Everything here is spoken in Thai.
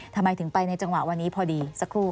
ทำไมถึงไปในจังหวะวันนี้พอดีสักครู่